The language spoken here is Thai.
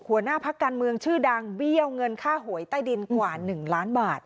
หัวหน้าพักการเมืองชื่อดังเบี้ยวเงินค่าหวยใต้ดินกว่า๑ล้านบาท